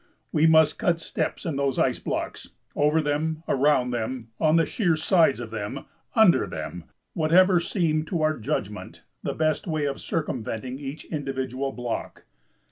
We must cut steps in those ice blocks, over them, around them, on the sheer sides of them, under them whatever seemed to our judgment the best way of circumventing each individual block.